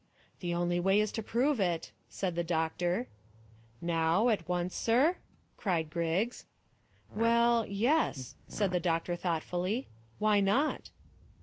"The only way is to prove it," said the doctor. "Now, at once, sir?" cried Griggs. "Well, yes," said the doctor thoughtfully; "why not?"